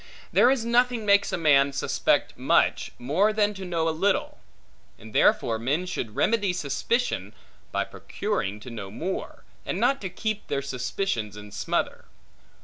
There is nothing makes a man suspect much, more than to know little; and therefore men should remedy suspicion, by procuring to know more, and not to keep their suspicions in smother.